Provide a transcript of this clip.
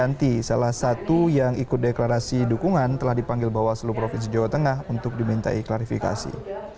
nanti salah satu yang ikut deklarasi dukungan telah dipanggil bawaslu provinsi jawa tengah untuk dimintai klarifikasi